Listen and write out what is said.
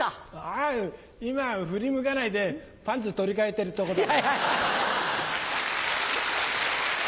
あぁ今振り向かないでパンツ取り換えてるとこだから。